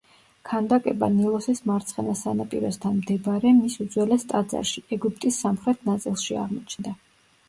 ქანდაკება ნილოსის მარცხენა სანაპიროსთან მდებარე მის უძველეს ტაძარში, ეგვიპტის სამხრეთ ნაწილში აღმოჩნდა.